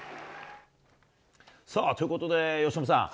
さあ、ということで、由伸さん。